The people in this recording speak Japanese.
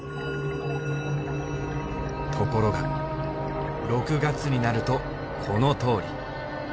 ところが６月になるとこのとおり。